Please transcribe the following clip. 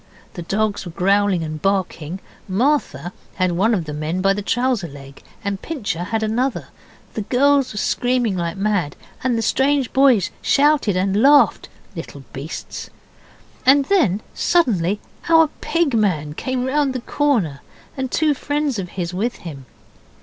The dogs were growling and barking Martha had one of the men by the trouser leg and Pincher had another; the girls were screaming like mad and the strange boys shouted and laughed (little beasts!), and then suddenly our Pig man came round the corner, and two friends of his with him.